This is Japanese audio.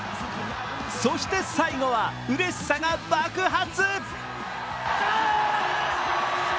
そして、最後はうれしさが爆発。